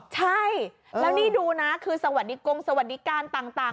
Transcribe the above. ใช่แล้วนี่ดูนะคือสวัสดีกงสวัสดิการต่าง